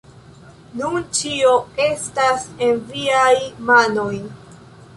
Nun ĉio estas en viaj manoj